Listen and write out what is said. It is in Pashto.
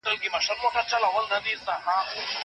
ده په خپله زړه لنګۍ باندې خپلې پښې پټې کړې وې.